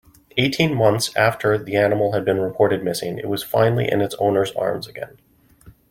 Eighteen months after the animal has been reported missing it was finally in its owner's arms again.